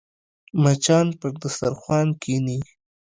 مچان پر دسترخوان کښېني